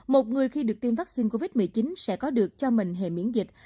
một người khi được tiêm vaccine covid một mươi chín sẽ có được cho mình hệ miễn dịch